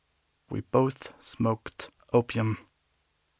We both smoked opium.